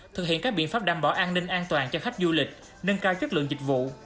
thực hiện các biện pháp đảm bảo an ninh an toàn cho khách du lịch nâng cao chất lượng dịch vụ